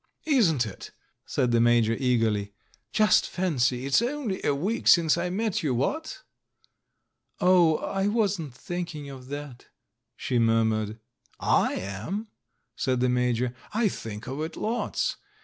"Isn't it?" said the Major eagerly. "Just fancy, it's only a week since I met you, what?" "Oh, I wasn't thinking of that," she murmured. "J am," said the Major, "I think of it lots.